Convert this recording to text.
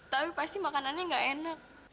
tapi pasti makanannya gak enak